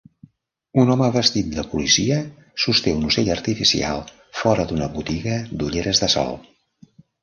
Un home vestit de policia sosté un ocell artificial fora d'una botiga d'ulleres de sol.